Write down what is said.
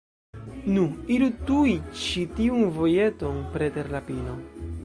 Nu, iru tuj ĉi tiun vojeton, preter la pino.